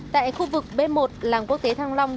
tại khu vực b một làng quốc tế thăng long